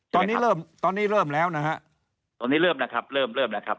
ตอนนี้เริ่มตอนนี้เริ่มแล้วนะฮะตอนนี้เริ่มนะครับเริ่มเริ่มแล้วครับ